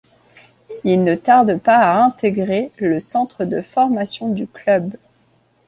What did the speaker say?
Il ne tarde pas à intégrer le centre de formation du club.